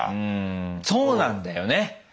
うんそうなんだよね。